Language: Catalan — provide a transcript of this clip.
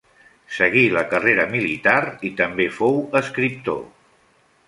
Seguí la carrera militar i també fou escriptor.